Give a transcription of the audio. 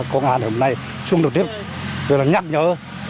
công an hôm nay xuống trực tiếp nhắc nhớ